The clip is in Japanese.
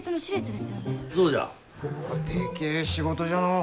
でけえ仕事じゃのう。